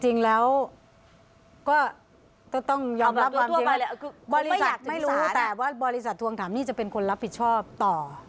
จริงแล้วก็ต้องยอมรับว่าบริษัทไม่รู้แต่ว่าบริษัททวงถามหนี้จะเป็นคนรับผิดชอบต่อ